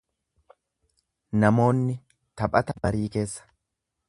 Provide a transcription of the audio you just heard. Namoonni taphata barii keessa.